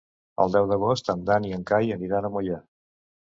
El deu d'agost en Dan i en Cai aniran a Moià.